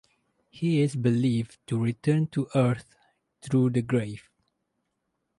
He is believed to return to earth through the grave.